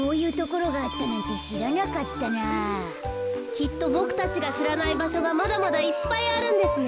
きっとボクたちがしらないばしょがまだまだいっぱいあるんですね。